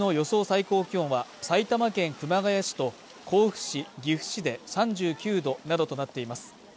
最高気温は埼玉県熊谷市と甲府市岐阜市で３９度などとなっています